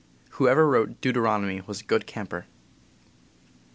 Who ever wrote "Deuteronomy" was a good camper.